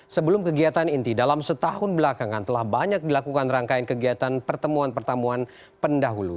sebelum kegiatan inti dalam setahun belakangan telah banyak dilakukan rangkaian kegiatan pertemuan pertemuan pendahulu